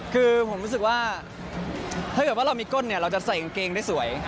คือผมรู้สึกว่าถ้าเกิดว่าเรามีก้นเนี่ยเราจะใส่กางเกงได้สวย